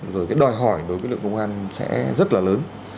rồi cái đòi hỏi đối với lực lượng công an sẽ rất là lớn